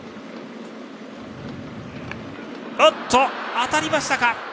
当たりましたか。